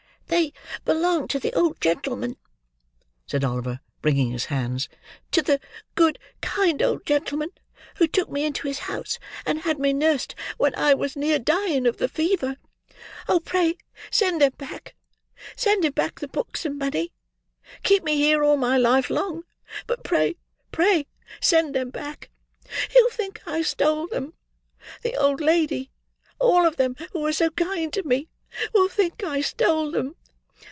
"They belong to the old gentleman," said Oliver, wringing his hands; "to the good, kind, old gentleman who took me into his house, and had me nursed, when I was near dying of the fever. Oh, pray send them back; send him back the books and money. Keep me here all my life long; but pray, pray send them back. He'll think I stole them; the old lady: all of them who were so kind to me: will think I stole them.